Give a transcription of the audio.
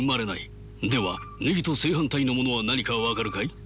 ではネギと正反対のものは何か分かるかい？